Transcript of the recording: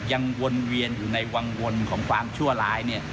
วนเวียนอยู่ในวังวลของความชั่วร้ายเนี่ย